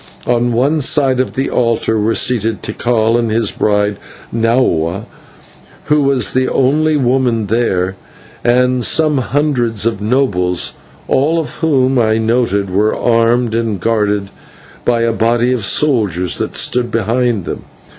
On one side of the altar were seated Tikal, his bride Nahua, who was the only woman there, and some hundreds of nobles, all of whom, I noted, were armed and guarded by a body of soldiers that stood behind them.